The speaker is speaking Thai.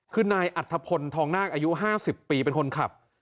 คือนายอัธพลทองนาคอายุ๕๐ปีเป็นคนขับ